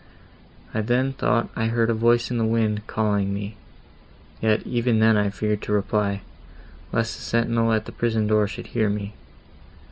I then thought I heard a voice in the wind, calling me; yet, even then I feared to reply, lest the sentinel at the prison door should hear me.